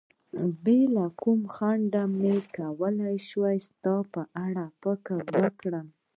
بې له کوم خنډه به مې کولای شول ستا په اړه فکر وکړم.